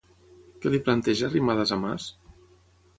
Què li planteja Arrimadas a Mas?